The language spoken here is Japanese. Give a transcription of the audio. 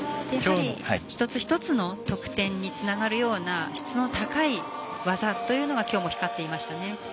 一つ一つの得点につながるような質の高い技というのがきょうも光っていましたね。